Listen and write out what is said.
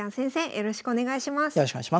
よろしくお願いします。